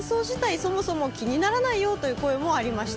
そもそも気にならないよという声もありました。